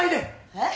えっ！？